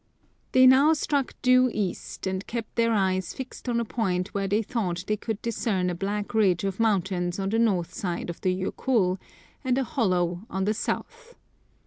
" They now struck due east, and kept their eyes fixed on a point where they thought they could dis cern a black ridge of mountains on the north side of the Jokull, and a hollow on the south.